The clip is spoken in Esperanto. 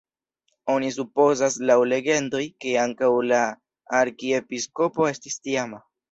Oni supozas laŭ legendoj, ke ankaŭ la arkiepiskopo estis tiama.